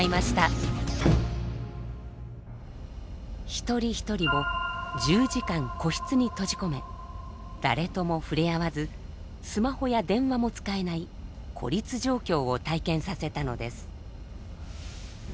一人一人を１０時間個室に閉じ込め誰とも触れ合わずスマホや電話も使えない孤立状況を体験させたのです。